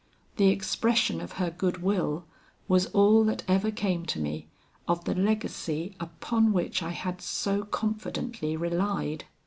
The expression of her good will was all that ever came to me of the legacy upon which I had so confidently relied.